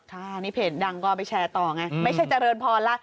ค่ะนี่เพจดังก็ไปแชร์ต่อไงไม่ใช่เจริญพรล่ะ